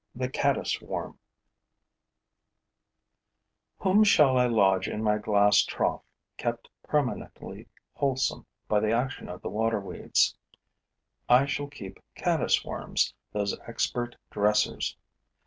THE CADDIS WORM Whom shall I lodge in my glass trough, kept permanently wholesome by the action of the water weeds? I shall keep caddis worms, those expert dressers.